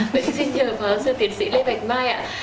vậy thì nhờ phó sư tiền sĩ lê bạch mai ạ